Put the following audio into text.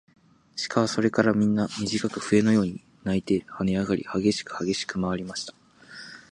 鹿はそれからみんな、みじかく笛のように鳴いてはねあがり、はげしくはげしくまわりました。